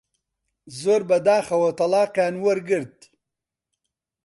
زۆر بەداخەوە تەڵاقیان وەرگرت